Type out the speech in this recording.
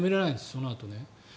そのあとね。